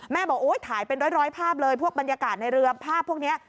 บอกโอ๊ยถ่ายเป็นร้อยภาพเลยพวกบรรยากาศในเรือภาพพวกนี้